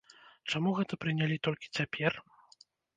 Чаму гэта прынялі толькі цяпер?